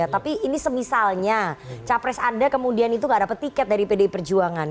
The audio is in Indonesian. tapi ini semisalnya capres anda kemudian itu gak dapat tiket dari pdi perjuangan